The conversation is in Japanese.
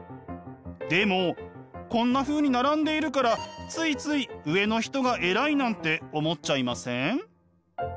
でもこんなふうに並んでいるからついつい上の人が偉いなんて思っちゃいません？